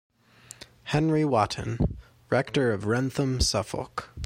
Henry Wotton, rector of Wrentham, Suffolk.